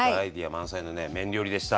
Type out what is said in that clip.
満載のね麺料理でした！